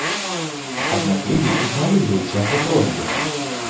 Аднак людзі ігнаруюць яго просьбы.